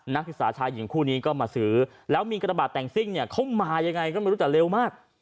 นักศึกษาชายหญิงคู่นี้ก็มาซื้อแล้วมีกระบาดแต่งซิ่งเนี่ยเขามายังไงก็ไม่รู้แต่เร็วมาก